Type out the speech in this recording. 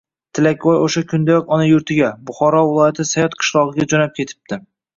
Tilakvoy o‘sha kuniyoq ona yurtiga — Buxoro viloyatining Sayot qishlog‘iga jo‘nab ketibdi…